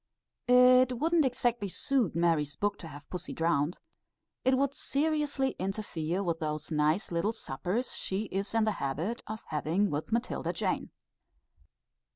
It wouldn't exactly suit Mary's book to have pussy drowned. It would seriously interfere with those nice little suppers, she is in the habit of having with Matilda Jane.